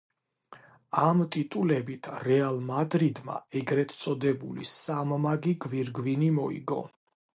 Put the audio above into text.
ამ ტიტულებით რეალ მადრიდმა ეგრეთ წოდებული „სამმაგი გვირგვინი“ მოიგო.